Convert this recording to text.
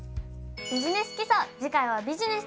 「ビジネス基礎」